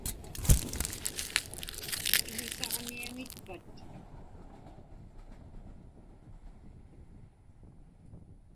Iḷisaġniaŋitpich?